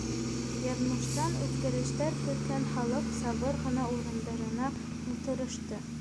Яҙмыштан үҙгәрештәр көткән халыҡ сабыр ғына урындарына ултырышты.